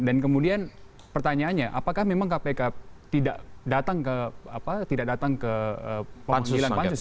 dan kemudian pertanyaannya apakah memang kpk tidak datang ke apa tidak datang ke pembela pansus